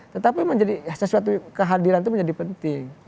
tetapi menjadi sesuatu kehadiran itu menjadi penting